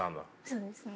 そうですね。